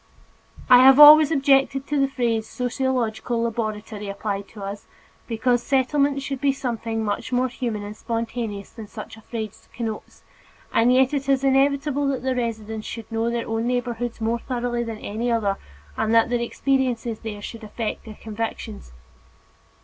I have always objected to the phrase "sociological laboratory" applied to us, because Settlements should be something much more human and spontaneous than such a phrase connotes, and yet it is inevitable that the residents should know their own neighborhoods more thoroughly than any other, and that their experiences there should affect their convictions.